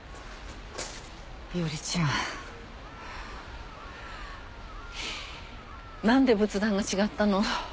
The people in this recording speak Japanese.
伊織ちゃん。何で仏壇が違ったの？